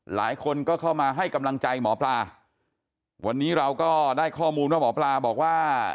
หลายคนก็เข้ามาให้กำลังใจหมอปลาวันนี้เราก็ได้ข้อมูลว่าหมอปลาบอกว่า